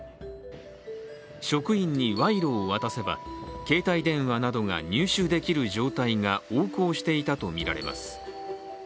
職員に賄賂を渡せば、携帯電話などが入手できる状態が横行していたとみられます。